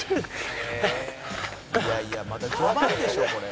「いやいやまだ序盤でしょこれ」